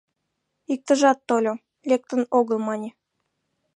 Иктыжат тольо, «лектын огыл» мане